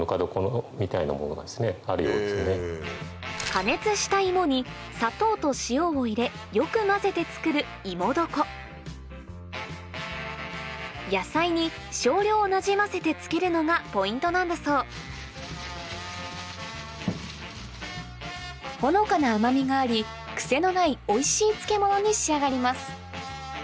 加熱した芋に砂糖と塩を入れよく混ぜて作るいも床のがポイントなんだそうほのかな甘みがありクセのないおいしい漬物に仕上がります